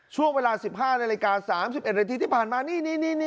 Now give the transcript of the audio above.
ช่วงเวลา๑๕นาฬิกา๓๑นาทีที่ผ่านมานี่